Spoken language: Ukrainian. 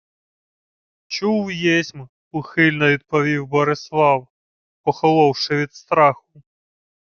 — Чув єсмь, — ухильно відповів Борислав, похоловши від страху.